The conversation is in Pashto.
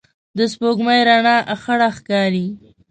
د سپوږمۍ رڼا خړه ښکاري